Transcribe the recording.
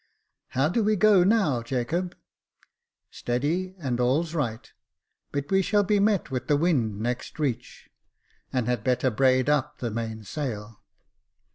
" How do we go now, Jacob ?"" Steady, and all's right ; but we shall be met with the wind next reach, and had better brail up the mainsail."